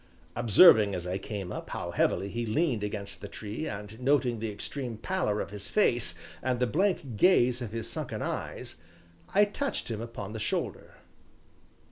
Observing, as I came up, how heavily he leaned against the tree, and noting the extreme pallor of his face and the blank gaze of his sunken eyes, I touched him upon the shoulder.